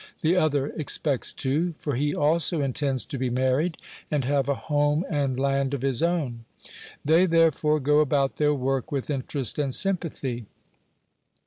The other expects to, for he also intends to be married, and have a home and land of his own. They therefore go about their work with interest and sympathy.